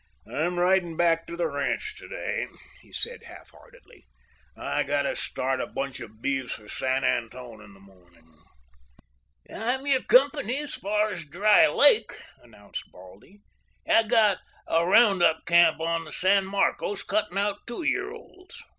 "I'm ridin' back to the ranch to day," he said half heartedly. "I've got to start a bunch of beeves for San Antone in the morning." "I'm your company as far as Dry Lake," announced Baldy. "I've got a round up camp on the San Marcos cuttin' out two year olds."